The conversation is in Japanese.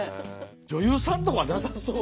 女優さんとかなさそう。